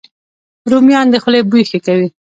رومیان د خولې بوی ښه کوي